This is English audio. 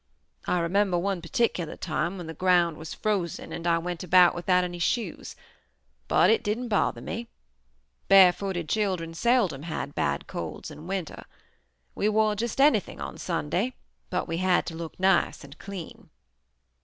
I remember one particular time when the ground was frozen and I went about without any shoes, but it didn't bother me. Barefooted children seldom had bad colds in winter. We wore just anything on Sunday, but we had to look nice and clean.